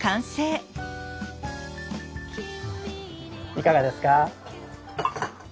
いかがですか？